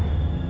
aku bisa sembuh